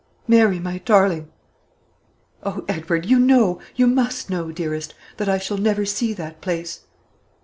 "Mary, my darling " "O Edward! you know, you must know, dearest, that I shall never see that place?"